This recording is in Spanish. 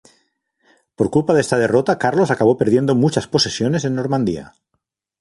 Por culpa de esta derrota Carlos acabó perdiendo muchas posesiones en Normandía.